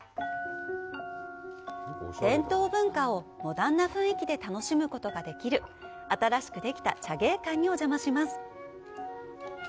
伝統文化をモダンな雰囲気で楽しむことができる、新しくできた茶芸館にお邪魔します。